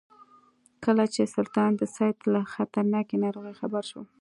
کله چې سلطان د سید له خطرناکې ناروغۍ خبر شو.